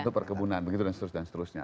itu perkebunan begitu dan seterusnya